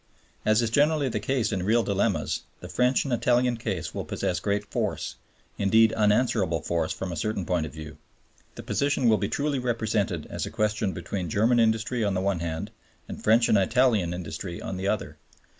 As is generally the case in real dilemmas, the French and Italian case will possess great force, indeed unanswerable force from a certain point of view. The position will be truly represented as a question between German industry on the one hand and French and Italian industry on the other.